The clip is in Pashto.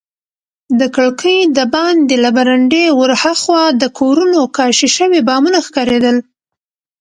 د کړکۍ دباندې له برنډې ورهاخوا د کورونو کاشي شوي بامونه ښکارېدل.